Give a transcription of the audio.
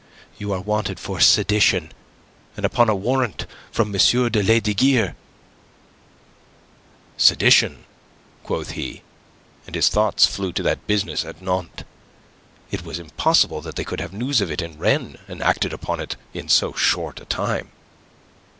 "You are wanted for sedition, and upon a warrant from M. de Lesdiguieres." "Sedition?" quoth he, and his thoughts flew to that business at Nantes. It was impossible they could have had news of it in Rennes and acted upon it in so short a time.